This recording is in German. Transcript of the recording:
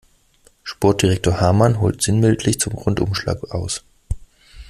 Sportdirektor Hamann holt sinnbildlich zum Rundumschlag aus.